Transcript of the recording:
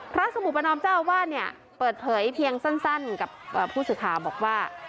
สมุปนอมเจ้าอาวาสเนี่ยเปิดเผยเพียงสั้นกับผู้สื่อข่าวบอกว่า